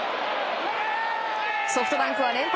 ソフトバンクは連敗